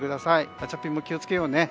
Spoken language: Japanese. ガチャピンも気を付けようね。